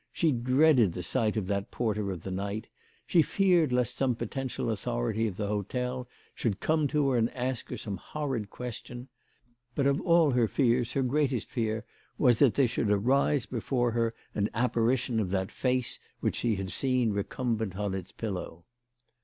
She dreaded the sight of that porter of the night ; she feared lest some potential authority of the hotel should come to her and ask her some horrid question ; but of all her fears her greatest fear was that there should arise before her an apparition of that face which she had seen recumbent on its pillow.